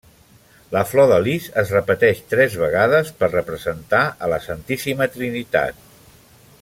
La flor de lis es repeteix tres vegades per representar a la Santíssima Trinitat.